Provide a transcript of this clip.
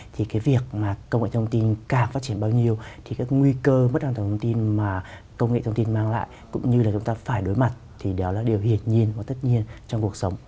thì cái việc mà công nghệ thông tin càng phát triển bao nhiêu thì các nguy cơ mất an toàn thông tin mà công nghệ thông tin mang lại cũng như là chúng ta phải đối mặt thì đó là điều hiển nhiên của tất nhiên trong cuộc sống